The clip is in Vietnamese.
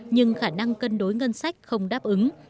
nhưng khả năng cân đối ngân sách không đáp ứng